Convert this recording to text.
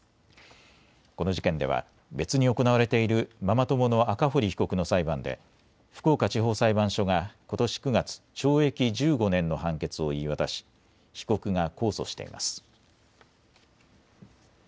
この事件では別に行われているママ友の赤堀被告の裁判で福岡地方裁判所がことし９月、懲役１５年の判決を言い渡し被告が控訴しています。